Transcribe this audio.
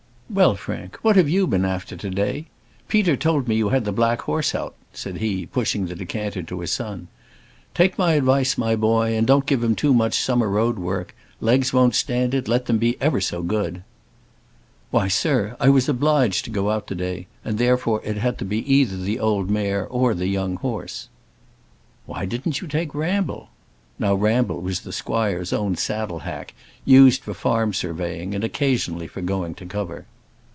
"Well, Frank, what have you been after to day? Peter told me you had the black horse out," said he, pushing the decanter to his son. "Take my advice, my boy, and don't give him too much summer road work. Legs won't stand it, let them be ever so good." "Why, sir, I was obliged to go out to day, and therefore, it had to be either the old mare or the young horse." "Why didn't you take Ramble?" Now Ramble was the squire's own saddle hack, used for farm surveying, and occasionally for going to cover.